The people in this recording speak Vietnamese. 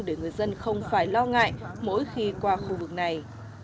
để người dân không phải lo ngại mỗi khi qua khu vực này